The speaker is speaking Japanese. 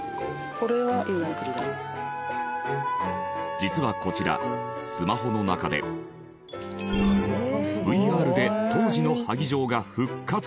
実はこちらスマホの中でＶＲで当時の萩城が復活！